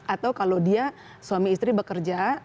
atau kalau dia suami istri bekerja